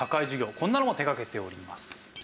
こんなのも手掛けております。